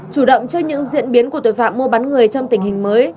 chủ động trước những diễn biến của tội phạm mua bán người trong tình hình mới